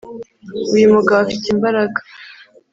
uyumugabo afite imbaraga